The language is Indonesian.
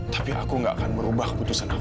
tapi aku gak akan merubah putusan aku